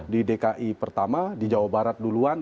di dki pertama di jawa barat duluan